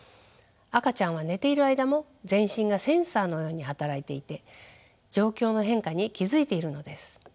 赤ちゃんは寝ている間も全身がセンサーのように働いていて状況の変化に気付いているのです。